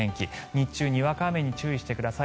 日中、にわか雨に注意してください。